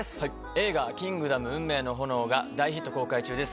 映画『キングダム運命の炎』が大ヒット公開中です。